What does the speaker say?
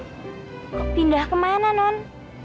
kok pindah kemana non